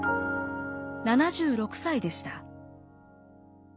７６歳でした。